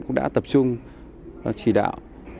cũng đã tập trung chỉ đạo